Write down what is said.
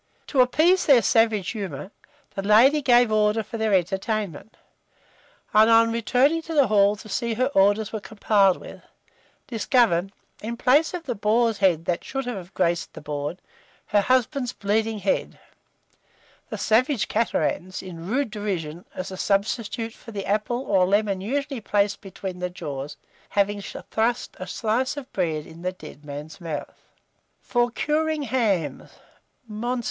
To appease their savage humour, the lady gave order for their entertainment, and on returning to the hall to see her orders were complied with, discovered, in place of the boar's head that should have graced the board, her husband's bleeding head; the savage caterans, in rude derision, as a substitute for the apple or lemon usually placed between the jaws, having thrust a slice of bread in the dead man's mouth. FOR CURING HAMS (Mons.